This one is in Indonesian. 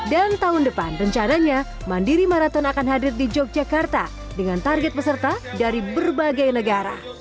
dan tahun depan rencananya mandiri marathon akan hadir di jogjakarta dengan target peserta dari berbagai negara